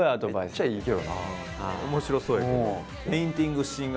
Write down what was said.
面白そうやけど。